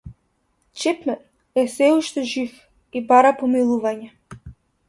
Чепмен е сѐ уште жив и бара помилување.